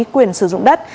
quyền sử dụng đất